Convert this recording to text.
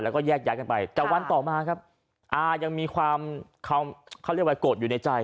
แล้วก็แยกย้ายกันไปแต่วันต่อมาครับอายังมีความเขาเรียกว่าโกรธอยู่ในใจ